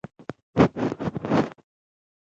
نوې کورنۍ د نوې نړۍ پیل وي